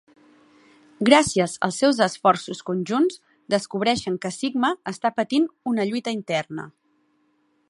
Gràcies als seus esforços conjunts, descobreixen que Sigma està patint una lluita interna.